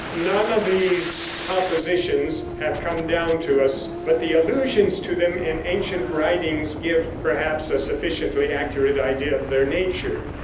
None of these compositions have come down to us, but the allusions to them in ancient writings give, perhaps, a sufficiently accurate idea of their nature.